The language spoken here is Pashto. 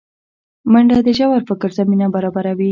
منډه د ژور فکر زمینه برابروي